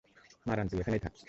মারান, তুই এখানেই থাক।